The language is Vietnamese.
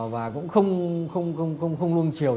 và cũng không nuông chiều